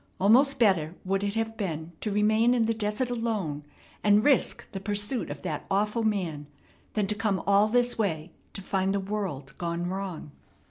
Almost better would it have been to remain in the desert alone, and risk the pursuit of that awful man, than to come all this way to find the world gone wrong.